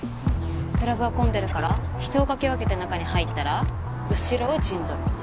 クラブは混んでるから人をかき分けて中に入ったら後ろを陣取る。